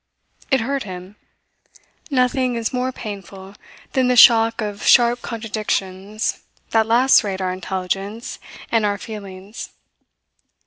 It hurt him. Nothing is more painful than the shock of sharp contradictions that lacerate our intelligence and our feelings.